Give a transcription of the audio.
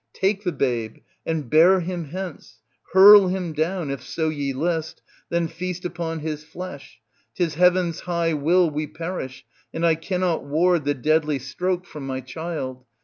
Take the babe and bear him hence, hurl him down if so ye list, then feast upon his flesh ! 'Tis heaven's high will we perish, and I cannot ward the deadly stroke from my child.